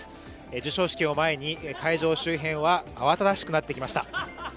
授賞式を前に、会場周辺は慌ただしくなってきました。